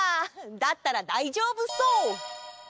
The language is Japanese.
だったらだいじょうぶそう！